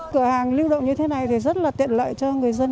cửa hàng lưu động như thế này thì rất là tiện lợi cho người dân